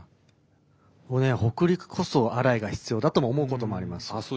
もうね北陸こそアライが必要だとも思うこともあります。